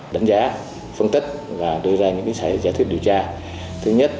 đánh giá phân tích và đưa ra những giải thích điều tra